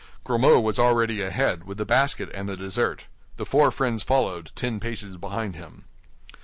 Grimaud was already ahead, with the basket and the dessert. The four friends followed, ten paces behind him.